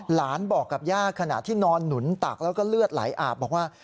บอกกับย่าขณะที่นอนหนุนตักแล้วก็เลือดไหลอาบบอกว่า